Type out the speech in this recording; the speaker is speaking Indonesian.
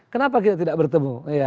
kenapa kita tidak bertemu